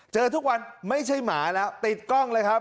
เจอทุกวันไม่ใช่หมาและ